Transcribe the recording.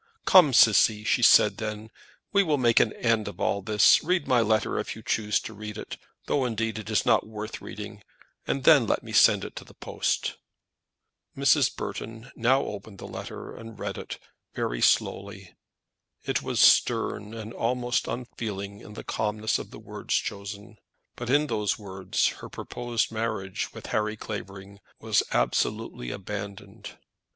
"Come, Cissy," she then said, "we will make an end of this. Read my letter if you choose to read it, though indeed it is not worth the reading, and then let me send it to the post." Mrs. Burton now opened the letter and read it very slowly. It was stern and almost unfeeling in the calmness of the words chosen; but in those words her proposed marriage with Harry Clavering was absolutely abandoned.